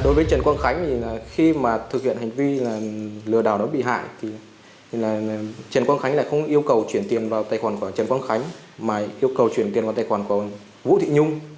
đối với trần quang khánh khi thực hiện hành vi lừa đảo bị hại trần quang khánh không yêu cầu chuyển tiền vào tài khoản của trần quang khánh mà yêu cầu chuyển tiền vào tài khoản của vũ thị nhung